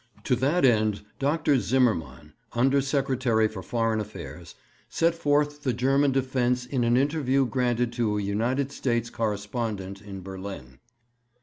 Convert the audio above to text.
To that end Dr. Zimmermann, Under Secretary for Foreign Affairs, set forth the German defence in an interview granted to a United States correspondent in Berlin.